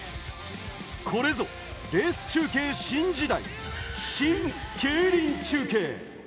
これぞレース中継新時代、シン・競輪中継。